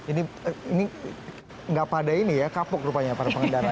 ini nggak pada ini ya kapuk rupanya para pengendara